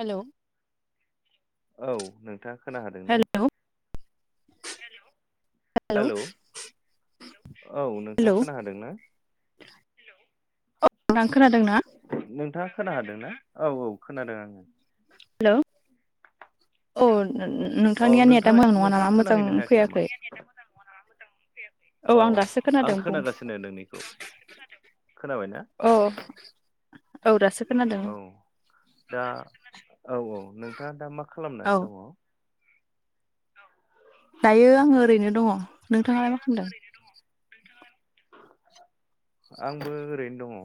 हेल' औ नोंथां खोनाहादोंना हेलौ हेल' हेल' औ नोंथाङा खोना होादों ना औ नों खोनादोंना खोनादोंना औ औ खोनादों आङो हेल' औ औ नोंथांनिया नेटआ नोंथाङा मोजां नङा नोंथाङा नामा मोजां खोनाहैनो हायाखै नामा फैयाखै औ अ आं दासो आं खोनादों बुं खोनागासिनो नोंनिखौ खोनाबायना औ औ दासो खोनादों औ दा औ औ नोंथाङा दा मा खालामनानै औ दङ दायो आङो ओरैनो दङ नोंथाङालाय मा खालामदों आंबो ओरैनो दङ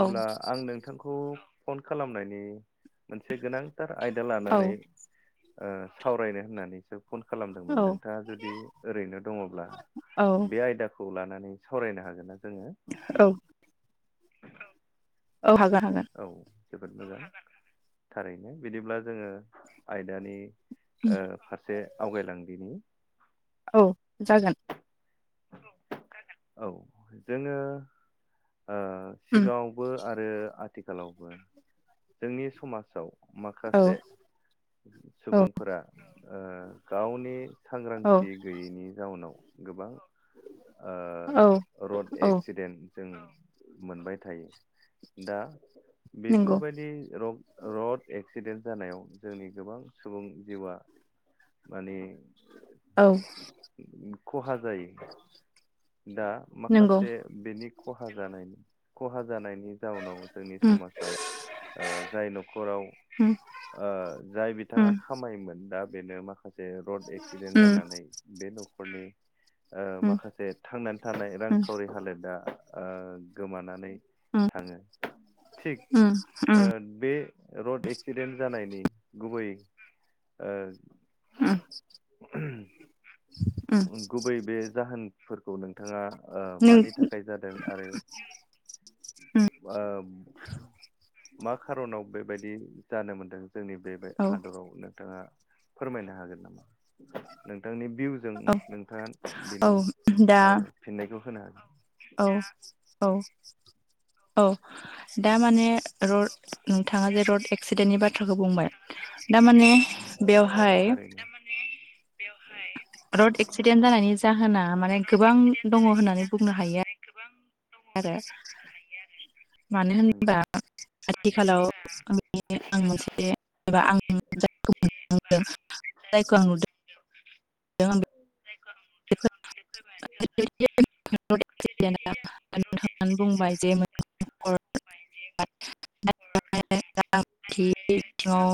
औ आं नोंथांखौ फन खालामनायनि मोनसे गोनां थार आयदा औ लानानै सावरायनो होननानै सो फन औ खालामदोंमोन नोंथाङा जुदि ओरैनो दङब्ला औ बे आयदाखौ लानानै सावरायनो हागोना जोङो औ औ औ हागोन हागोन जोबोद मोजां थारैनो बिदिब्ला जोङो आयदानि फारसे आवगायलांदिनि औ जागोन [unintelligible] औ जोङो आ उम सिगाङावबो आरो आथि आथिखालावबो जोंनि समाजाव औ माखासे औ सुबुंफोरा गावनि औ सांग्रांथि गैयैनि जाउनाव गोबां आ औ र'ड औ एक्सिडेन्ट जों मोनबाय थायो दा बे नंगौ बेफोरबायदि रं रड एक्सिडेन्ट जानायाव जोंनि गोबां सुबुं जिउआ माने औ खहा जायो दा नंगौ माखासे बिनि खहा जानायनि खहा जानायनि जाउनाव जोंनि उम समाजाव ओ जाय न'खराव उम ओ जाय उम बिथाङा खामायोमोन दा बेनो माखासे जे रड एक्सिडेन्ट उम जानानै बे न'ख फुलि ओ उम माखासे थांनानै थानाय उम रांखावरि हालोदा ओ गोमानानै थाङो थिक उम ओ बे र'ड एक्स एक्सिडेन्ट जानायनि गुबै ओ ओम ओहम गुबै बे जाहोन फोरखौ नोंथाङा ओ नों मानि थाखाय जादों आरो उम ओ मा खार'नाव बेबायदि जानो मोनदों? जोंनि बे बाय औ हादराव नोंथाङा फोरमायनो हागोन नामा नोंथांनि बि जों औ नोंथाङा औ बेनि ओ फिननायखौ होनो हागोन। औ-औ। औ दा माने रड नोंथाङा जे रड एक्सिडेन्टनि बाथ्राखौ बुंबाय दामाने बेवहाय बेवहाय रड एक्सिडेन्ट जानायनि जाहोना माने र'ड गोबां एक्सिदेेन दङ जानायनि होननानै बुंनो जाहोना हायो माने गोबां आरो। मानो नंगौ होनोबा आथिखालाव आं मोनसे एबा आं जायखौ मोनदांदों जायखौ आं नुदों आं बे बेफो [unintelligible] [inaudible] होननानै बुंबाय जे रांखान्थि [unintelligible] [inaudible] बिथिङाव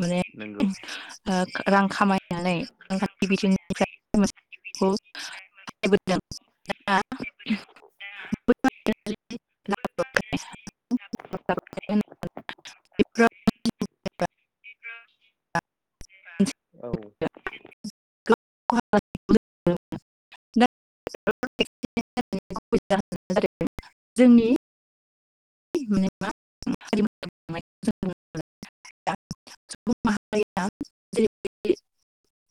माने नंगौ रां खामायनानै रांखान्थि बिथिंनिफ्राय [unintelligible] [unintelligible] [unintelligible] [unintelligible] औ [unintelligible] [unintelligible] जोंनि [unintelligible]